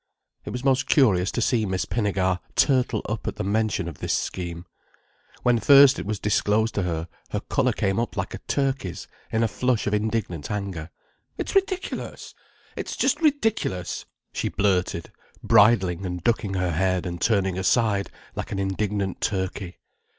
It was most curious to see Miss Pinnegar turtle up at the mention of this scheme. When first it was disclosed to her, her colour came up like a turkey's in a flush of indignant anger. "It's ridiculous. It's just ridiculous!" she blurted, bridling and ducking her head and turning aside, like an indignant turkey.